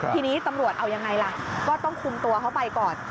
ทีนี้ตำรวจเอายังไงล่ะก็ต้องคุมตัวเขาไปก่อน